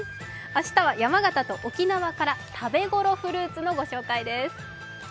明日は山形と沖縄から食べ頃フルーツのご紹介です。